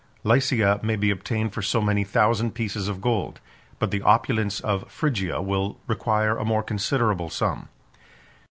Lycia may be obtained for so many thousand pieces of gold; but the opulence of Phrygia will require a more considerable sum.